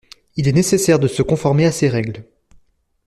Il est nécessaire de se conformer à ces règles.